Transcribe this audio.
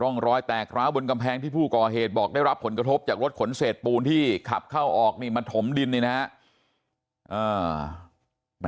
ร่องรอยแตกร้าวบนกำแพงที่ผู้ก่อเหตุบอกได้รับผลกระทบจากรถขนเศษปูนที่ขับเข้าออกนี่มาถมดินนี่นะฮะ